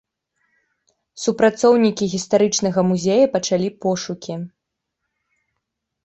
Супрацоўнікі гістарычнага музея пачалі пошукі.